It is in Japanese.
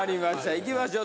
いきましょう。